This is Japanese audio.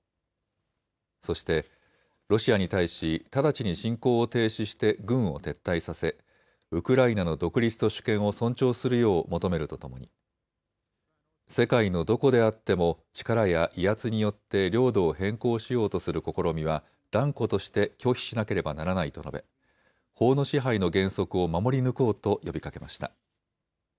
そしてロシアに対し直ちに侵攻を停止して軍を撤退させウクライナの独立と主権を尊重するよう求めるとともに世界のどこであっても力や威圧によって領土を変更しようとする試みは断固として拒否しなければならないと述べ、法の支配の原則を守り抜こうと呼びかけました。